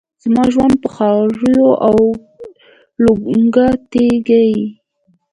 زما ژوند په خواریو او لوږه تیریږي.